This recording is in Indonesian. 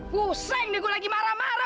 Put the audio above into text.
pusing nih gue lagi marah marah